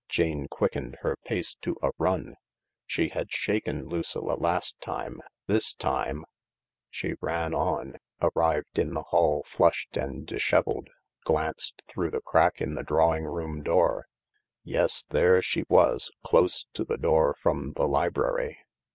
Jane quickened her pace to a run. She had shaken Lucilla last time. Thistime ..." She ran on, arrived in the hall flushed and dishevelled, 228 THE LARK glanced through the crack of the drawing room door. Yes, there she was, close to the door from the library.